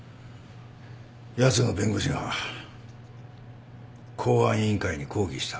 やつの弁護士が公安委員会に抗議した。